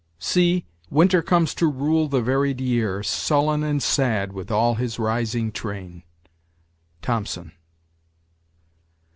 "See, Winter comes to rule the varied year, Sullen and sad with all his rising train." Thomson.